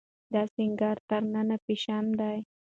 دا سينګار تر ننه فېشن دی.